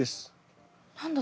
何だ？